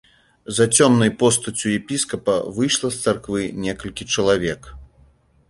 За цёмнай постаццю епіскапа выйшла з царквы некалькі чалавек.